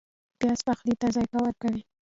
پیاز پخلی ته ذایقه ورکوي